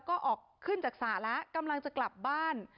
ออกกำลังจะกลับบ้าน